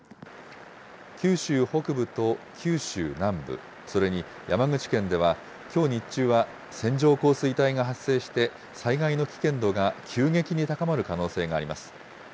九州北部と九州南部、それに山口県では、きょう日中は線状降水帯が発生して、災害の危険度が急激に高まる可能性があります。